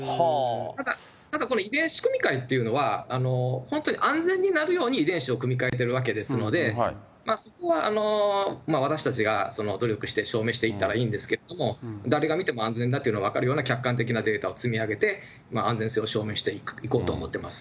ただ、この遺伝子組み換えっていうのは、本当に安全になるように遺伝子を組み換えてるわけですので、そこは私たちが努力して証明していったらいいんですけれども、誰が見ても安全だというのが分かるような客観的なデータを積み上げて、安全性を証明していこうと思ってます。